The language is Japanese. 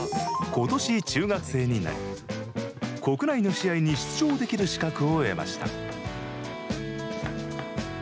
ことし中学生になり、国内の試合に出場できる資格を得ました。